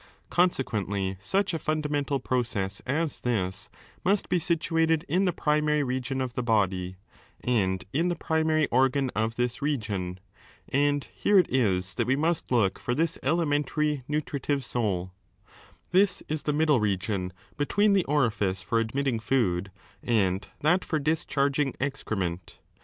Consequently, such a fundamental process as this must be situated in the primary region of the body and in the primary organ of this region, and here it is that we must look for this 474 ^ elementary nutritive souL This is the middle region between the orifice for admitting food and that for discharging excrement.